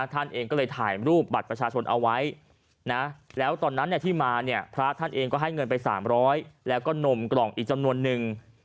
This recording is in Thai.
ท่านเองก็ตายรูปบัตรประชาชนเอาไว้นะแล้วตอนนั้นก็ให้เงินเป็น๓๐๐แล้วก็นมกล่องอีกจำนวนนึง